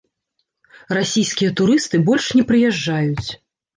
Расійскія турысты больш не прыязджаюць.